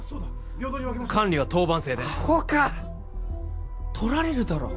平等に分けましょう管理は当番制でアホかとられるだろ